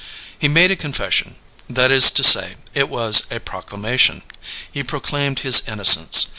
He made a confession; that is to say, it was a proclamation. He proclaimed his innocence.